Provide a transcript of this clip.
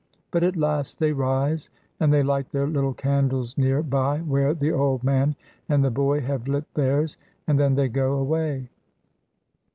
But at last they rise, and they light their little candles near by where the old man and the boy have lit theirs, and then they go away.